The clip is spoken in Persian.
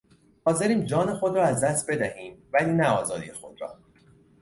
حاضریم جان خود را از دست بدهیم ولی نه آزادی خود را.